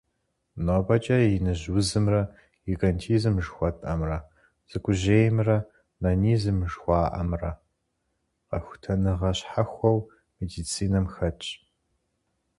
НобэкӀэ «иныжь узымрэ» - гигантизм жыхуэтӀэмрэ, «цӀыкӀужьеймрэ» - нанизм жыхуаӀэмрэ къэхутэныгъэ щхьэхуэу медицинэм хэтщ.